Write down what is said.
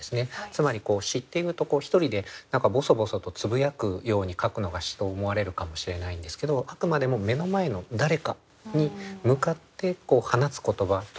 つまり詩っていうと一人で何かボソボソとつぶやくように書くのが詩と思われるかもしれないんですけどあくまでも目の前の誰かに向かって放つ言葉として詩を書いてらっしゃった。